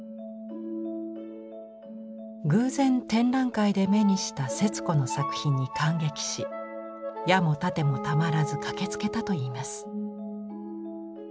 偶然展覧会で目にした節子の作品に感激し矢も盾もたまらず駆けつけたといいます。